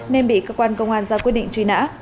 nên bị cơ quan công an ra quyết định truy nã